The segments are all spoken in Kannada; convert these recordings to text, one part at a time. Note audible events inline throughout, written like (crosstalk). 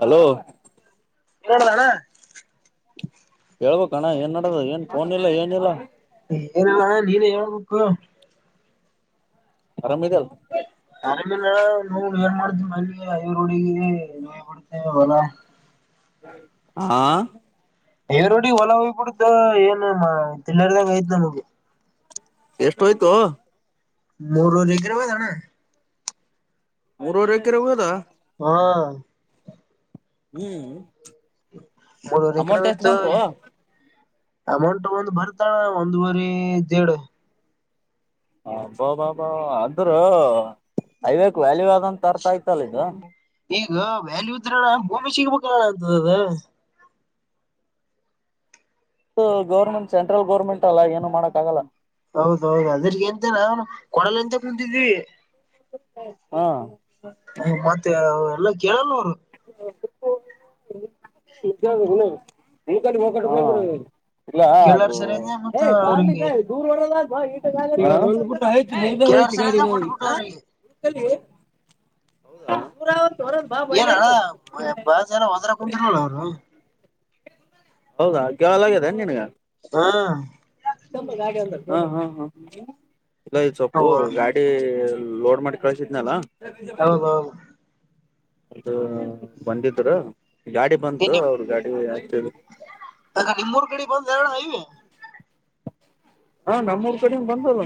ಹಲೋ ನೋಡದಣ. ಹೇಳ್ಬೇಕು ಅಣ್ಣ ಏನ್ ನಡದದ ಏನ್ ಫೋನಿಲ್ಲ ಏನಿಲ್ಲ. ಏನಣ್ಣ ನೀನ್ ಹೇಳ್ಬ ಕ ಆರಾಮ ಅದಿಯಲ್ಲ. ನೋವು ನೀೇರ್ ಮಾಡಿದ ಮ ಐವರ ಹಳಗ ನೋಯ್ ಬಿಡ್ತೇವೆ ಹೊಲ ಹಾ ದೇವ್ರಡಿ ಹೊಲ ಹೋಗ್ಬಿಡ್ದ ಏನ್ ತಿಲ್ಲರ್ದಾಗ ಐತ್ ನಮಗ್. ಎಷ್ಟ್ ಹೋಯಿತೋ. ಮೂರುವರೆ ಎಕ್ರೆ ಹೋಗ್ಯದ ಅಣ್ಣಾ. ಮೂರವರೆ ಎಕರೆ ಹೋಗದಾ? ಹಾ ಹ್ಮ್ ಮೂರವರೆ ಎಕರೆ ಅಮೌಂಟ್ ಎಷ್ಟ್ ಹೋಯ್ತು. ಬಂತು ಅಮೌಂಟ್ ಒಂದ್ ಬರ್ತಾಳ ಒಂದುವರಿ ದೀಡ್ ಅಬ್ಬಬ್ಬಾ ಅಂದ್ರ ಹೈವೇಕ ವ್ಯಾಲಿವ ಆದ ಅರ್ಥ ಆಯ್ತಲ್ಲ ಇಗ. ಈಗ ವ್ಯಾಲ್ಯೂ ಇದ್ರಣ ಭೂಮಿ ಸಿಗ್ಬೇಕಲಣ ಅಂತದ್ದ ಅದ. ಇದ ಗೌರ್ಮೆಂಟ್ ಸೆಂಟ್ರಲ್ ಗೌರ್ಮೆಂಟ್ ಅಲ್ಲ ಏನು ಮಾಡಕ್ಕ ಆಗಲ್ಲ. ಹೌದೌದು ಅದ್ರಿಗೆ ಎಂತ ನಾನು ಕೊಡಲ್ಲ ಎಂತ ಕುಂತಿದೀವಿ. ಹಾ ಹ್ಮ ಕೊಟ್ಟು ಮತ್ತೆ ಎಲ್ಲ ಕೇಳಲ್ವರು. (unintelligible) ಹಾ ಇಲ್ಲ ಅದು (unintelligible) ಹಾ ಕೇಳಾರ ಸರಿಯಂದ ಮತ್ತ ಅವ್ರಿಗೆ ಕೇಳಾರ ಸರಿಯಂದ ಕೊಟ್ಬಿಟ್ಟು ಅವ್ರಿಗೆ (unintelligible) ಹೌದ ಸೌರದ್ ಬಾ ಬಯ್ಯ ಬಳ ಜನ ವದ್ರ ಕುಂತರ್ಲ ಅವ್ರು? ಹೌದಾ ಗವಾಲ ಆಗಾಗಿದೆನ್ ನೀನ್ಗ? ಹಾ ಹ ಹ ಹ ಇಲ್ಲ ಇದ್ ಸೊಪ್ಪು ಹೌದು ಗಾಡಿ ಲೋಡ್ ಮಾಡಿ ಕಳಸಿದ್ನಲ್ಲ (unintelligible) ಹೌದೌದು ಅದು ಬಂದಿದ್ರ. ಗಾಡಿ ಏ ಬಂತು ನಿಮ್ ಅವ್ರ ಗಾಡಿ ಆಗ್ತಿ ಅದ ನಿಮ್ಮೂರ್ ಕಡೆ ಬಂದ (unintelligible) ಹ ನಮ್ಮೂರ್ ಕಡೆ ಬಂದಲ್ಲ.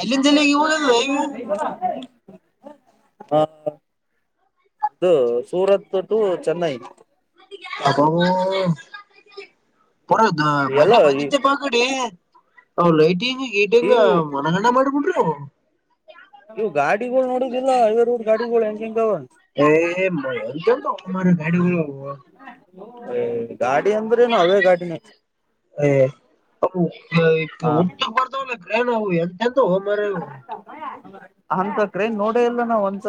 ಎಲ್ಲಿಂದ ಎಲ್ಲಿಗೆ ಯುವ ಜಲ್ಲಿ (unintelligible) ಹ ಇದು ಸೂರತ್ ಟು ಚೆನ್ನೈ ಅದೋ ಪರ ಎಲ್ಲ ಬಿ ಈ ಬಂದಿದ್ದೆ ಪ ಆ ಕಡೀ ಅವ್ ಲೈಟಿನ್ ಈ ತಿಂಗಳ ಇವು ಮನಗಣ್ಣ ಮಾಡ್ಬಿಟ್ರಿ ಓ ಇವು ಗಾಡ್ ತಿಂಗಳ್ ನೋಡುದಿಲ್ಲ ಹೈವೇ ದಾಗ್ ಗಾಡಿಗಳ್ ಹೆಂಗೆಂಗವ? ಏ ಹ್ಮ್ ಎಂತೆಂತ ಮಾರಾಯ ಎಯೇ ಹ ಊದ್ದಕ್ ಬರ್ತಾವ್ ಲೇ ಏನ್ ಅವು ಏನ್ ಯಂತಹೊ ಮರಯವ್ವು ಅಂತ ಟ್ರೈನ್ ನೋಡ ಇಲ್ಲ ನಾವ್ ಒಂದ್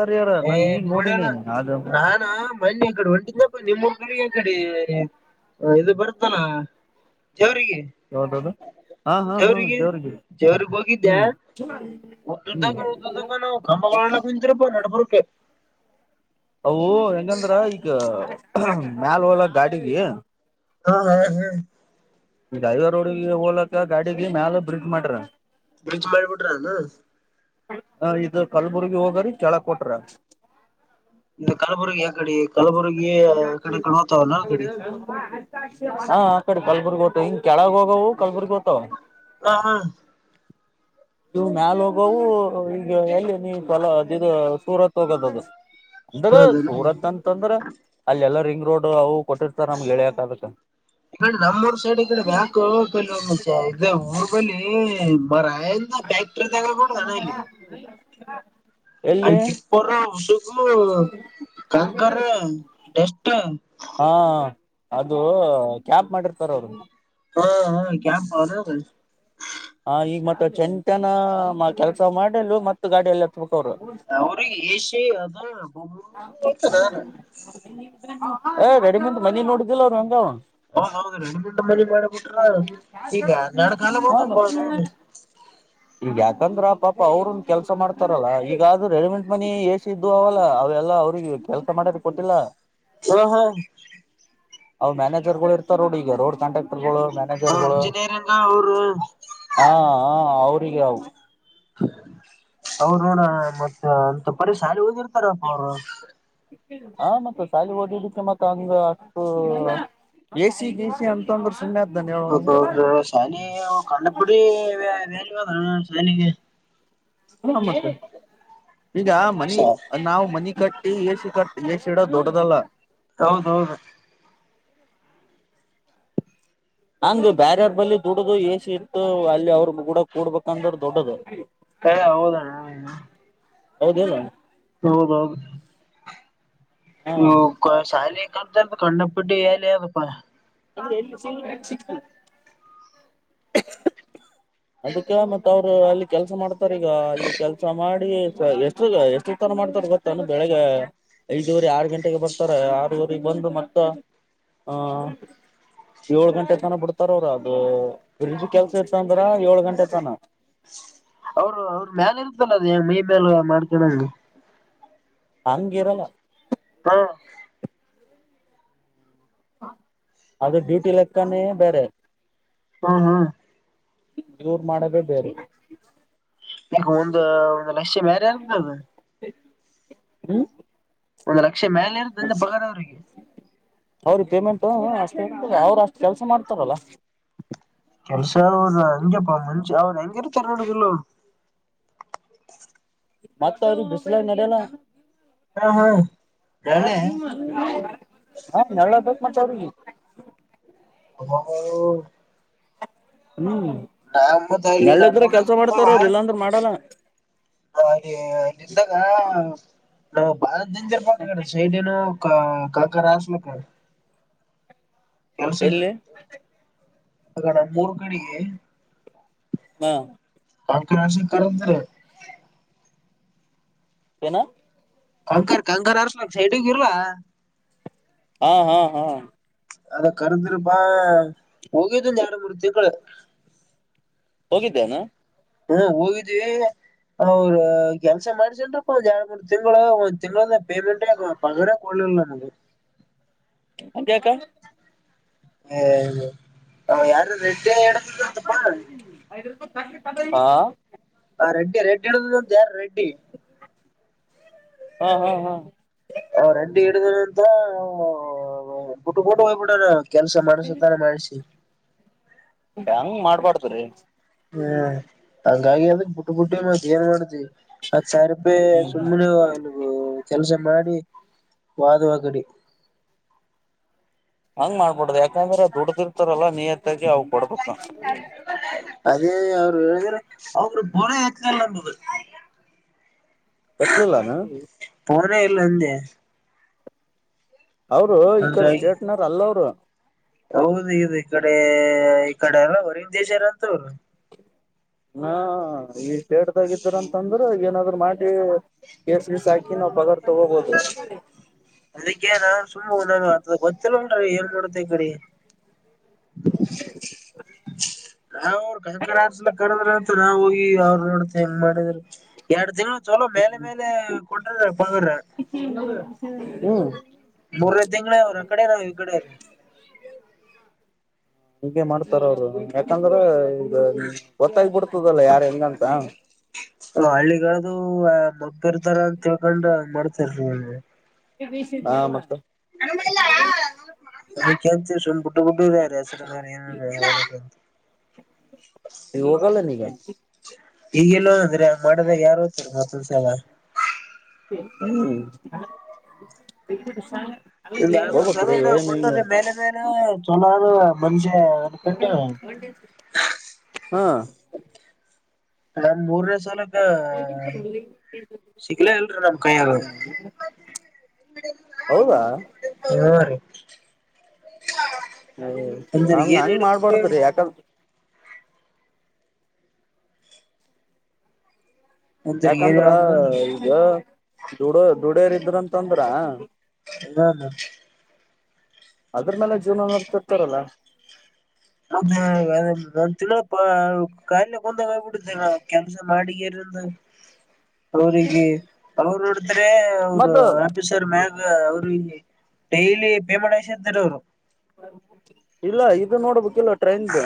ಏ ನೋಡಣ ನಾನ ಮನ್ನಿ ಈ ಕಡಿ ಹೊಂಟಿದ್ದ ನಿಮ್ಮ ಕಡೆ ಕಡೆ ಇದು ಬರ್ತಾನ ಜವರಿಗೆ ಯಾವ್ದದು ಹಾ ಹಾ ಹಾ ಜವರಿಗೆ ದೇವ್ರಿಗೆ ಜವಿಗೆ ಹೋಗಿದ್ದೆ ಹ್ಮ್ ಹ್ಮ್ ಉದ್ದದ್ದಾಗ ಉದ್ದದ್ದಾಗ ನಾವು ಗಂಬಲ ಕುಂತರಪ್ಪ ನಬ ಹ ಅವು ಹೆಂಗಂದ್ರ ಈಗ ಮ್ಯಾಲ ಹೊಲಕ್ಕಗಾಡಿಗಿ ಹಾ ಹಾ ಹಾ ಈ ಡ್ರೈವರ್ ರೋಡ್ಗೆ ಹೋಲಕ್ಕ ಗಾಡಿಗೆ ಮ್ಯಾಲ ಬ್ರಿಜ್ ಮಾಡ್ರ ಬ್ರಿಜ್ ಮಾಡ್ಬಿಟ್ರಾನ ಹ ಇದು ಕಲ್ಬುರ್ಗಿ ಹೋಗರಿ ಕೆಳ ಕೊಟ್ರ ಇದು ಕಲಬುರಗಿ ಕಡೆ ಕಲಬುರಗಿ ಕಡೆ ಕಾಣೋತಾವ ನ ಅ ಕಡೆ ಹಾ ಆ ಕಡೆ ಕಲ್ಬುರ್ಗ ಓತ್ತು ಹಿಂಗ ಕೆಳಗ ಹೋಗವವು ಕಲಬುರ್ಗ ತವ ಹ ಇವು ಮಾಲ ಹೋಗವು ಈಗ ಎಲ್ಲಿ ನೀವುಲದು ಸೂರತ್ ಹೋಗೋದ ಅದು ಎಂದರೆ ಸುಬ್ರಹ್ಮಣ್ಯನ ಈ ಸೂರತ್ಂತ ತೊಂದ್ರೆ ಅಲ್ಲಿ ಎಲ್ಲ ರಿಂಗ್ ರೋಡ್ ಅದು ಈಡೆ ನಮ್ಮೂರು ಸೈಡ್ ಈ ಕಡೆ ಬಕ್ ಬಿಂದು ಇ ಊರು ಬಳ್ಳಿ ಮರ ನಂದ ಫ್ಯಾಕ್ಟರಿ ತಾಗ ಕೂಡ ನಾನಲ್ಲ ಹಾ ಪ ಕಂಕ ಸ್ ಹಾ ಅದು ಕ್ಯಾಪ್ ಮಾಡಿರ್ತಾರ ಅವರು ಹ ಹ ಕ್ಯಾಂಪಾ ಅನು ಅದು ಹ ಈಗ ಮತ್ತ ಚೆಂತನ ಕೆಲಸ ಮಾಡಲು ಮತ್ತ ಗಾಡಿಯಲ್ಲ ಅವ್ರಿಗೆ ಏಷ ಅದ ಹ ಆಯ್ತದ ಏ ಗಡಿ ನಿಂದ ಮನಿ ನೋಡಿದಿಲ್ಲ ಅವ್ರು ಹೆಂಗ ಅವ್ನು ಹ ನೌಂದು ರ ರಟ ಮಣಿ ಮಡ ಬಿಟ್ಟು ಈ ನಡ ಕಾಲ ಬಂದ ಇಪ್ಪ ಹ ನು ಈಗ ಯಾಕಂದ್ರ ಪಾಪ ಅವ್ರನ್ ಕೆಲಸ ಮಾಡ್ತಾರಲ್ಲಾ ಈಗಾದ ರೆಡಿಮೆಂಡ್ ಮನಿ ಎಸ ಇದು ಅವಲ್ಲ ಅವೆಲ್ಲ ಎಲ್ಲ ಅವ್ರಿಗೆ ಕೆಲಸ ಮಾಡ್ರ ಕೊಟ್ಟಿಲ್ಲ ಹ ಹಾ ಅವ್ ಮ್ಯಾನೇಜರ್ಗಳು ಇರ್ತಾರ ರೋಡ್ ಈಗ ರೋಡ್ ಕಾಂಟಾಕ್ಟರ್ಗಳು ಇಂಜಿನಿಯ ಅಣ್ಣಾಅವರು ಹ ಹೌ ಅವರು ನೋಡ ಮತ್ತ ಅಂತ ಪರಿ ಶಾಲ ಹಓೋಗಿರ್ತಾರಪ್ಪ ಅವರು ಹಾ ಮತ್ತ ಶಾಲಿ ಓದಿದಕ್ಕೆ ಮತ್ತ ಹಂಗ ಅಷ್ಟು ಎ ಸಿ ಗ ಸಿ ಅಂತಂದ್ರರು ಸುಮ್ನೆ ಹೌ ಶಾನಿ ಕಂಡಪುಡಿ ಸನಿಗೆ ಮತ್ತೆ ಈಗ ಮನಿ ನಾವು ಮನಿ ಕಟ್ಟಿ ಎಸ ಕಟ್ಟ ಎಷ್ಟ ಇಡೋ ದೊಡ್ಡದಲ್ಲ ಹೌದೌದು ಹ (inaudible) ಹಂಗ ಬ್ಯಾರರ್ ಬಳಿ ದುಡದು ಎ ಸಿ ಇತ್ತು ಅಲ್ಲಿ ಅವ್ರ ಕೂಡ ಕೂಡ್ಬೇಕಂದ್ರ ದೊಡ್ಡದು ಹಾ ಹೌದೋಣ ಅವ ಹೌದಲ್ಲ ಹೌದೌದು ಹ ಹ ಸಹಲಿ ಕಣ್ಣಪಿಟ್ಟಿ ಲ್ಲಿ ಅದು (inaudible) ಅದಕ್ಕೆ ಮತ್ತ ಅವ ಅಲ್ಲಿ ಕೆಲಸ ಮಾಡ ಸರ್ ಈಗ ಅಲ್ಲಿ ಕೆಲಸ ಮಾಡಿ ಎಷ್ಟ ಎಷ್ಟು ತರ ಮಾಡ್ತಾರ ಗೊತ್ತಾನ ಬೆಳ್ಳಿಗೆ ಐದೂವರೆ ಆರು ಗಂಟೆಗೆ ಬರ್ತಾ ಸರ ಆರೂವರೆ ಬಂದು ಮತ್ತ ಆ ಏಳ್ ಗಂಟೆ ತನ ಬಿಡ್ತಾರ ಅವ್ರ (inaudible) ಕೆಲ್ಸ ಇರ್ತಂದ್ರ ಏಳ್ ಗಂಟೆ ತನ ಅವರು ಅವ್ರ ಮ್ಯಾಲ ಇರ್ತಲ್ಲ ಮೇಲ್ ಮಾಡ್ಕೊಂಡಂಗ ಹಂಗಿರಲ್ಲ ಹ ಅದು ಡ್ಯೂಟಿ ಲೆಕ್ಕನೇ ಬೇರೆ ಹಾ ಹಾ ಇವರು ಮಾಡದೇ ಬೇರೆ (inaudible) (unintelligible) ಲಕ್ಷ ಮೇರೆ ಏರುತ್ತಲಾ ಅದು ಹ್ಮ್ ಒಂದ್ ಲಕ್ಷ ಮೇಲೆ ಇರು ತಂದ ಬಗದ ಅವ್ರಿಗೆ ಅವೌ್ರರಿ ಪೇಮೆಂಟ್ ಅವ್ರ ಅಷ್ಟ್ ಕೆಲಸ ಮಾಡತಾರೆ ಹಲೋ ವರ್ಷ ಅವ್ ಹಂಪ್ಪ ಮಂಷ ಅವ್ರು ಹೆಂಗರುತಾರೆ ನೋಡದಲ್ಲ ಮತ್ತ ಅವ್ರ ಬಿಸಿಲ ನೆಲೆನ ಹಾ ಹಾ ಹೇಳೆ (unintelligible) ಹಾ ಹೇಳದು ಮಚ (unintelligible) ಹ ನಾವ ಮ ಅಲ್ಲಿ ನಮ್ಮ ನೆಳ್ಳಿದ್ರೆ ಕೆಲ್ಸ ಊರಗರ್ತವ ಮಾಡ್ತಾರ (unintelligible) ಅವ್ರು ಇಲ್ಲಾಂದ್ರ ಮಾಡಲ್ಲ ಅಲ್ಲಿ್ದಾಗ ಹ ಭಾರ ಡೇಂಜರ್ ಸೈಡನ ಕಕರಸ್ ನಕ ಎಲ್ಲಿ ಆಗಣ ಮೂರು ಕಡೆಿಗೆ ಹಾ ಅಕ ಅ ಕರಂತ ಏನ ಕಂಕರ್ ಕಂಕರ್ ಅರ್ಸಲ ಸೈಟಗ ಇರ್ಲ ಹಾ ಹಾ ಹಾ ಅ ಕರುದರುಪಾ ಹೋಗಿಯದ ಜಡ ಮೂರು ತಿಂಕಳ ಹೋಗಿದ್ದೇನಾ ಹಾ ಹೋಗಿದ್ವಿ ಅವರು ಕೆಲ್ಸ ಮಾಡಸೇನ್್ರಪ್ಪ ಒಂದ್ ಎರಡ್ ಮೂರ್ ತಿಂಗಗಳು ಒಂದ್ ತಿಂಗಗಳ ಪೇಮೆಂಟ್ ಪಗಾರ ಕೊಡ್ಲಿಲ್ಲ ನಮಗ ಅದಕ ಹ್ಮ ಯಾರ ಚ ಹಾ ಆ ರೆಡಿ ರೆಡ್ ಡ ಯಾರು ರೆಡ್ಡಿ ಹಾ ಹಾ ಹಾ ಅವ್ ರಂಡಿ ಹಿಡಿದಾನ ಅಂತ ಬಿಟ್ಟಬಟ್ಟು ಹೋಗ್ಬಿಟ್ಟಾನ ಕೆಲ್ಸ ಮಾಡಸತಾನೆ ಮಾಡಿಸಿ ಹೆಂಗ್ ಮಾಡ್ಬಾರಡ್ದ್ರಿ ಹ್ಮ್ ಹಂಗಾಗಿ ಅದ ಬಿುಟ್ಟ ಬಿುಡ್ ಮತ್ತ ಏನ್ ಮಾಡತಿ್ವಿ ಸರ್ಬೇ ಹ್ಮ್ ಸುಮ್ಮ್ನೆ ಅ ಕೆಲಸ ಮಾಡಿ ವಾದವಾಗಿಗಡಿ ಹಂಗ್ ಮಾಡ್ಬಡ್ ಯಾಕಂದ್ರೆ ದುಡ ರಲ್ಲ ನೀ ಎತ್ತಾಗಿ ಅವು ಕೂಡ ಬಕ್ಕ ಅವರ ಬರ ಆತ ಜ ನ ಬದ ಎತ್ರಲ್ಲಾನ ಅವನೇ ಇಲ್ಲಂದೆ ಅವರು ಈಕರ್ ಸ್ಟೇಟ್ನರ್ ಅಲ್ಲ ಅವ್ರು ಹೌದ ಇದು ಈ ಕಡೆ ಈ ಕಡೆ ಅಲ್ಲ ವರಂದ್ ದಜ್ರ್ ಅಂತ ಅವರು ಹಾ ಈೇ್ದ ಂತಂದ್ರ ಏನಾದ್ರು ಮಾಡಿ ಕೇಸ್ಲಸ್ ಹಾಕಿ ಅಕ ನಾವು ಪಗಾರ್ ತಗೋಬೋದು ನ ಅದ ಗೊತ್ತಿಲ್ಲ ಉನ್ರರಿ ಏನ್ ಮಾಡುತ್ತೆ ಈ ಕಡೆ ನಾವ್ ಅವ್ರ ಕಕರ ಆಸಲ ಕಂದ್ರ ಅಂತ ನಾವ್ ಹೋಗಿ ಅವರು ನೋಡ್ಂಗ ಮಾಡಿದರು ಎರಡ್ ತಿಂಗಗಳು ಚಲೋ ಬೇಲೆ ಬೇಲೆ ಕೊ ಹಾ ಹ್ಮ ಮೂರ ತಿಂಗಳ ಅವ್ರ ಕಡೆ ನಾವ್ ಈ ಕಡೆ ಹೀಗೆ ಮಾಡ್ತಾರ ಅವರು ಯಾಕಂದ್ರೆ ಸರಿಬುಡ ಗೊತ್ತಾಗಿ ಬಿಡ್ತದಲ್ಲ ಯಾರ ಹೆಂಗಂತ ನೂವ ಬ್ಬರ್ತಾರ ಅಂತ ಕೇಳ್ಕೊಂಡ್ ಮಾಡ್ತರೀ ಹ ಮತ್ತ ಹ್ಮ ಕೆಸ್ಸ ಸಂ ಡ್ಡರ ಅವ್ರು ಹೆಸರು ಏನಂತ ಹೇಳಲ (inaudible) ಇಲ್ಲ ಈ ಹೋಗಲ್ಲ ನೀಗ ಈಗೆಲ್ಲೋ ಅಂದ್ರೆ ಮಾಡದಾಗ ಯಾರು ಹ್ರ ಮತ್ತೊಂದ ಸಲ ಹ್ಮ ಒಂದ್ ಎರಡ್ ಇನ್ನಿನ್ನೂ ಕೊಟ್ಟನ ಮ್ಯಾನೇಜರ್ ಚನ್ನಾಗಿ ಮನುಜ್ಯ ಬುಟ್ಟಂಗೆ ಹಾ ಅದನ್ ಮೂರ್ ವ ಸಲಕ್ಕ ಸಿಗ್ಲ ಇಲ್ರಿ ನಮ್ ಕೈಯಾಗ ಹೌದಾ ಆ ರೀ ಅಯ್ಯೋ ಅಂದ್ರ ಹಂಗ ಏನ್ ಹಂಗ ಹೇಳ್ಬೇಕ್ರಿ ಮಾಡ್ಬಾರಡ್ದ್ರಿ ಯಾಕಂದ ಅಂದ್ರ ಏನ್ ಯಾಕಂದ್ರ ಹೇಳ್ಬೇಕನ್ರಿ ಈಗ ದುಡೋ ದುಡಿಯರ್ ಇದ್ರ ಅಂತಂದ್ರ ಇನಾನ ಅಂದ್ರು ಮೇಲೆ ಜೀವನ ನೋಡ್ತಿರ್ತಾರಲ್ಲ ಹೌದ ಒಂದ ತಿನ ಕಾಯಿಲೆ ಕುಂದಾಗ ಆಗ್ಬಿಡುತ್ತೆ ನ ಕೆಲ್ಸ ಮಾಡಗಾರಂದ ಅವರಿಗೆ ತರು ಆದ್ರೆ ಅವರು ಮತ್ತ ಆಫೀಸರ್ ಮ್ಯಾಗ ಅವ್ರ ಈ ಡೈಲಿ ಪೇಮಂಡ್ಸ್ದಾರ ಅವರು ಇಲ್ಲ ಇದು ನೋಡ್ಬೇಕ ಇಲ್ಲ ಟ್ರೆಂಡ್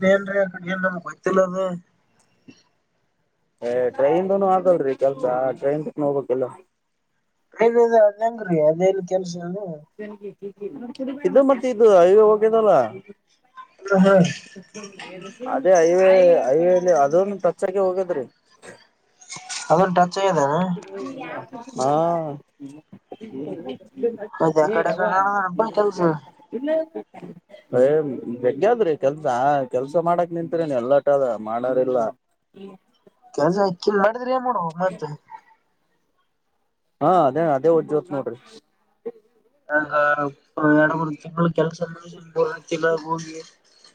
ತ ಏನ್ ಅ ಕಡೆ ನಮಗೆ ವತಲ್ಲ ಏ ಟ್ರೈನ್ನು ಆಗಲ್ರಿ ಕೆಲ್ಸ ಟ್ರೈನ್ ನ ಹೋಗ್ಬೇಕಕ್ಲ್ಲ ಇದದು ಅದಂಗ್ರೀ ಅದೇಲ್ಲಿ ಕೆಲ್ಸ (unintelligible) ಇದು ಮಾಡರ್ದ್ದು ಈಗ ಹೋಗಿದ್ದಲ್ಲ ಹ ಹಾ ಅದೇ ಐಲ್ಲಿ ಅದನು ಟಚ್ಗಿ ಹೋಗದ್ರಿ ಅದ ಡ ಚೇದನ ಹಾ ಅದ ಕಡೆ ಕಡೆ ಅಪಸ ಕ್ಲೇರ್ ಯ ಜಗ್ಗಿ ಕೆಲ್ಸ ಕೆಲ್ಸ ಮಾಡಕ್ ನಿತ್ರಿ ನೀ ಎಲ್ಲಟದ ಮಾಡರಿಿಲ್ಲ ಯ ಮಾಡೋ ಮತ್ತ ಹಾ ಅದೇ ಅದೇ ಒದ್ ಜೋತ್ ನೋಡ್ರಿ ಹ ಎರಡ ಮೂರು ತಿಂಗಳು ಕೆಲಸ ಹಂತಲ್ಲ ಹೋಗಿ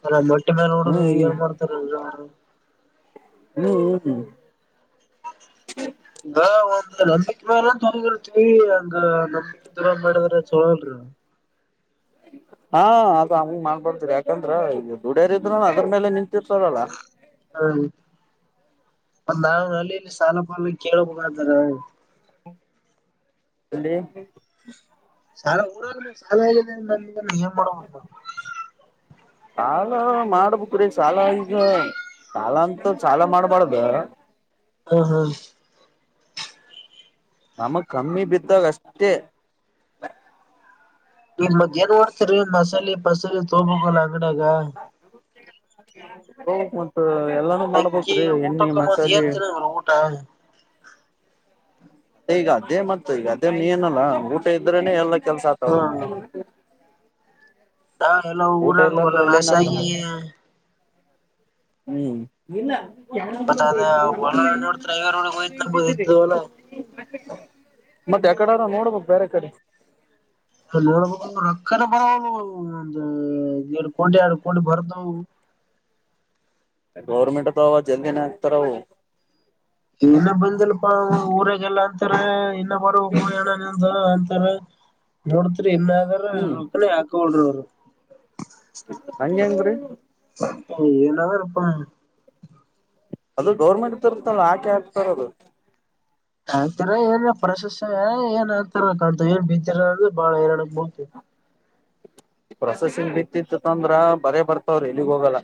ಎಲೆ ಹೊಗೆ ಒಟ್ಟ ಮೇಲೆ ನೋಡಿದ ಹ್ಮ್ ಹ್ಮ್ ಏನ್ ಮಾಡ್ತಾರಲ್ ಅವರು ಹ್ಮ್ಮ ಈಗ ಒಂದ್ ನಂಬಿಕೆ ಮೇಲೆ ಹಗಿರ್ತಿೀವಿ ಅಂಗ ನಂಬಿಕೆ ಇದರ ಮಾಡಿದ್ರ ಚೋಲ್ರಿ ಹಾ ಅದು ಅವಮ ಮಾಡ್ಬರ್ತರಿ ಯಾಕಂದ್ರ ಈ ದುಡ್ಯರಿದ್ ಅದ್ರ ಮೇಲೆ ನಿನ್ ತರಲ ಒಂದುಾ ಅಲ್ಲಿ ಇಲ್ಲಿ ಸಾಲ ಪ ಕೇಳಬೇಕತಾರೆ ಎಲ್ಲೆ ಸಾರ ಡ ಸ (unintelligible) ನೀನ್ ಏನ್ ಮಾಡ್ಬೇಕ್ ಅನ್ಕಂದಿ ಸಾಲ ಮಾಡ್ಬಕ್್ರೀ ಸಾಲ ಈಗ ಸಾಲ ಅಂತ ಸಾಲ ಮಾಡ್ಬಾರ್ದ ಹಾ ಹಾ ನಮಗ್ ಕಮ್ಮಿ ಬಿದ್ದಾಗ ಅಷ್ಟೇ ನೀ ಮದ್ ಏನ್ ಮಾಡೋಡ್ತರಿೀ ಮಸಾಲೆ ಪಸಲಿ ತಗಬಬೇಕಲ್ಲ ಅಡಗ ಹ ಮತ್ತ ಬೈಕಿ ಊಟಕ್ಕಮ ಸೇಏರ್ತನ ಊಟ ಈಗ ಅದೇ ಮತ್ತ ಈಗ ಅದೇ ಏನಲ್ಲ ಊಟ ಇದ್ರೇನೆ ಎಲ್ಲ ಕೆಲಸ ತಾವು ಹಾ ಹಲೋ ಊರಾಗ ಅಂದ್ರ ಬೋಲಣ ಅಲ್ಲಿ ಏನ್ ಸ ಆತವ ಹ್ಮ್ ಇನ್ನ ಪದ ಲ ನೋಡ ್ರೈ (unintelligible) ವ ಒ ನಲ ಮತ್ತೆ ಯಕಡೆರ ನೋಡ್ಬಕ್ ಬೇರೆ ಕಡೆ ಅ ನೋಡ್ಬೇಕ ರೊಕ್ಕನ ಬರ ಒಂದು ಎರಡು ಕೋಟಿ ಎರಡು ಕೋಟಿ ಬರದು ಗೌರ್ಮೆಟ್ ತ ಅವ ಜಲ್ ನತರ ಏನ ಬಂದಲ್ಪಾ ಊರಾಗಲ್ಲಾ ಅಂತಾರ ಬ (unintelligible) ಅ (unintelligible) ಇನ್ನಾದಾರ ರೊಪನ ಹಾಕಳ್ರಿ ಅವರು ಹಂಗೆ ಹೆಂಗ್ರೀ ಏನರಪ ಅದು ಗೌರ್ಮೆಂಟ್ ತರ್ತಳ ಆಾಕೆ ಹಾಕ್ತಾರದು ಆಗ್ತರ ಏನ್ ಪ್ರಶಸ್ ಏನ್ ಆಗ್ತಾರ ಕಾಣ್ತ ಏನ್ ಬಿದ್ದಿರ ಅಂದ್ರೆ ಬಾಳ ಎರಡು ಬತ (unintelligible) ಪ್ರೊಸೆಸಿಂಗ್ ಬಿತ್ತಿತ್ತತ್ತಂದ್ರ ಬರೇ ಬರ್ತಾವ್ರಿ ಎಲ್ಲಿಗ್ ಹೋಗಲ್ಲ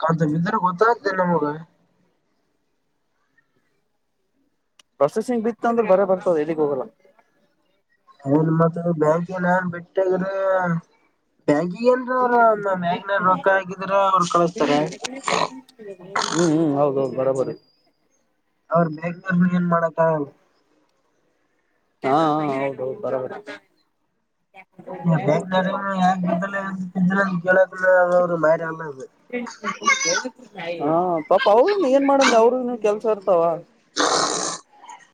ಕಾಂತ (unintelligible) ಗತ್ದನೆ ಮಗ ಪ್ರೊಸೆಸಿಂಗ್ ಬಿತ್ತ ಅಂದ್ರೆ ಬರ ಬರ್ತದ ಎಲ್ಲಿಗ್ ಹೋಗಲ್ಲ ನಿನ್ ಮತ್ ಬ್ಯಾಂಕ ನನ್ ಬಿಟ್ಟಗ್ರೆ ಬ್ಯಾಗಿ ಅಲ್ರ ಅವ್ರ ಮ್ಯಾಗನ ರೊಕ್ಕ ಆಗಿದ್ರ ಅವರು ಕಳತಾರೆ ಹ್ಮ್ ಹೌದೌದು ಬರೋಬರಿ ಅವರು ಬೇಕಂದರು ಏನ್ ಮಾಡತ್ತ (unintelligible) ಹಾ ಹ ಹೌದು ಹೌದು ಬರಬ ಬಂಗ್ಗಳೂರು ಯಾ ಬಿದ್ದಲ್ಲಿದ್ದಲ್ಲ ಕೇಳ ಮಾರಿ ಅಲ್ಲ ಅ ಹಾ ಪಾಪ ಅವ್ರನ್ ಏನ್ ಮಾಡಂದ ಅವ್ರನು ಕೆಲ್ಸ ಇರ್ತಾವ